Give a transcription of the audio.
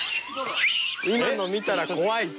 今の見たら怖いぞ。